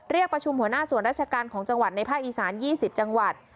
เรียกประชุมหัวหน้าส่วนราชการของจังหวัดในภาคอีสาน๒๐จังหวัด